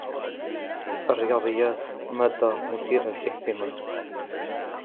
الرياضيات مادة مثيرة للاهتمام.